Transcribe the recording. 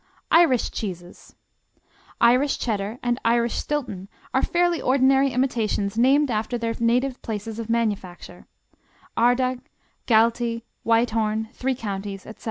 Irish Cheeses Irish Cheddar and Irish Stilton are fairly ordinary imitations named after their native places of manufacture: Ardagh, Galtee, Whitehorn, Three Counties, etc.